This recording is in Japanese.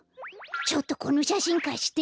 ちょっとこのしゃしんかして？